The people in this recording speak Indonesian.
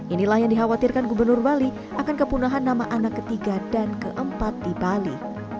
inilah yang dikhawatirkan gubernur bali akan kepunahan nama anak ketiga dan keempat di bali